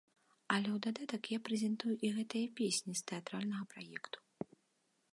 Але ў дадатак я прэзентую і гэтыя песні з тэатральнага праекту.